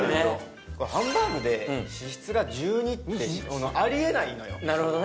ハンバーグで脂質が１２ってありえないのよ